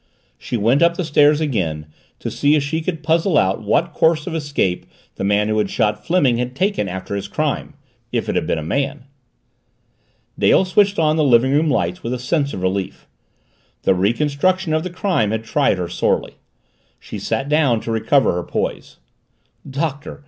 She went up the stairs again to see if she could puzzle out what course of escape the man who had shot Fleming had taken after his crime if it had been a man. Dale switched on the living room lights with a sense of relief. The reconstruction of the crime had tried her sorely. She sat down to recover her poise. "Doctor!